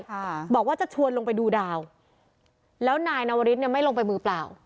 ค่ะบอกว่าจะชวนลงไปดูดาวแล้วนายนวริสเนี่ยไม่ลงไปมือเปล่า